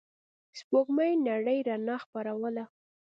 سپوږمۍ نرۍ رڼا خپروله.